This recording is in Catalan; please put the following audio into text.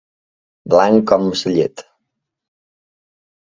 Blanc com la llet.